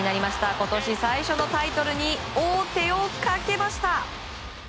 今年最初のタイトルに王手をかけました。